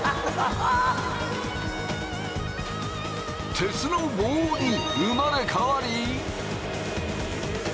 鉄の棒に生まれ変わり。